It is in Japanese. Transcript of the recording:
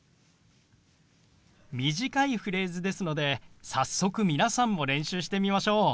短いフレーズですので早速皆さんも練習してみましょう。